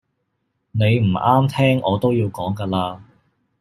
你唔啱聽我都要講㗎喇